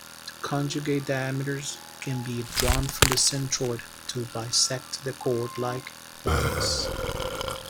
A conjugate diameter can be drawn from the centroid to bisect the chord-like lines.